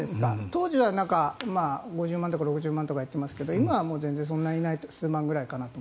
当時は５０万とか６０万とかって言っていますが今は全然そんなには数万ぐらいかなと。